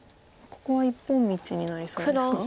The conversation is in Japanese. ここは一本道になりそうですか？